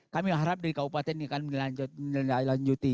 kami harap dari kabupaten ini akan melanjutkan